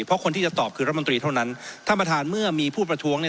เพราะคนที่จะตอบคือรัฐมนตรีเท่านั้นท่านประธานเมื่อมีผู้ประท้วงเนี่ย